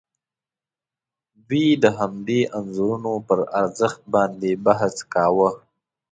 دوی د همدې انځورونو پر ارزښت باندې بحث کاوه.